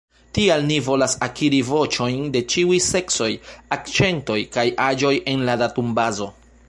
Tial ni volas akiri voĉojn de ĉiuj seksoj, akĉentoj kaj aĝoj en la datumbazo.